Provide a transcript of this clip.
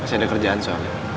masih ada kerjaan soalnya